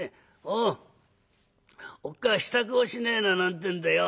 おうおっかあ支度をしねえな』なんてんでよ。